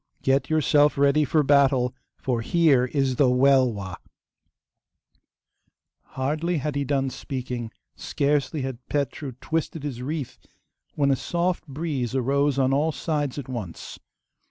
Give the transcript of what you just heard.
Get yourself ready for battle, for here is the Welwa!' Hardly had he done speaking, scarcely had Petru twisted his wreath, when a soft breeze arose on all sides at once.